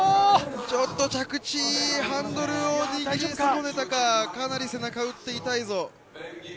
ちょっと着地、ハンドルを握り損ねたか、かなり背中を打って痛いぞ。